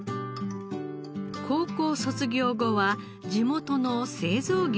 高校卒業後は地元の製造業に就職。